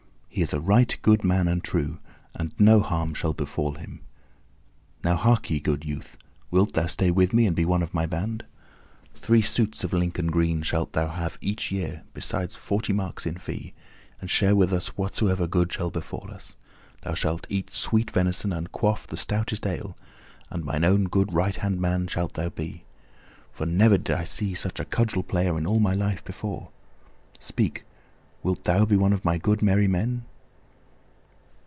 "He is a right good man and true, and no harm shall befall him. Now hark ye, good youth, wilt thou stay with me and be one of my band? Three suits of Lincoln green shalt thou have each year, beside forty marks in fee, and share with us whatsoever good shall befall us. Thou shalt eat sweet venison and quaff the stoutest ale, and mine own good right hand man shalt thou be, for never did I see such a cudgel player in all my life before. Speak! Wilt thou be one of my good merry men?"